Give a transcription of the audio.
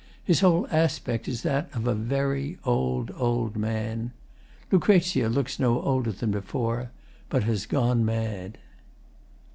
His whole aspect is that of a very old, old man. LUCREZIA looks no older than before, but has gone mad.